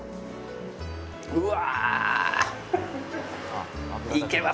うわ！